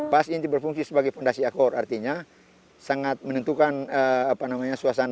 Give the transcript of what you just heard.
bas ini berfungsi sebagai fondasi akor artinya sangat menentukan suasana akor dari loksida itu sendiri